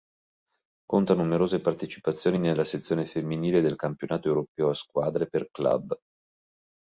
Conta numerose partecipazioni nella sezione femminile del Campionato europeo a squadre per club.